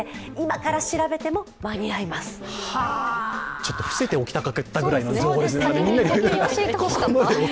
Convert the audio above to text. ちょっと、ふせておきたかったくらいの情報ですね。